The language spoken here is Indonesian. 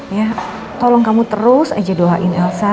ya tolong kamu terus aja doain elsa